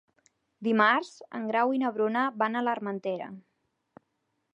Dimarts en Grau i na Bruna van a l'Armentera.